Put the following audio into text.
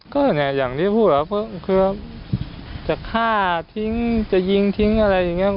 ก็เนี่ยอย่างที่พูดว่าคือจะฆ่าทิ้งจะยิงทิ้งอะไรอย่างนี้